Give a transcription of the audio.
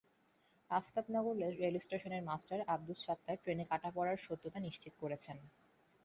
আলতাফনগর রেলস্টেশনের মাস্টার আবদুস সাত্তার ট্রেনে কাটা পড়ার সত্যতা নিশ্চিত করেছেন।